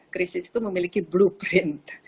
krisis itu memiliki blueprint